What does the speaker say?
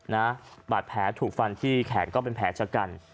นะบาดแผลถูกฟันที่แขนก็เป็นแผลชะกัน